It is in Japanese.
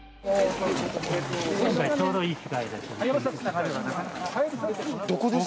今回ちょうどいい機会です。